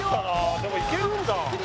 でも行けるんだ。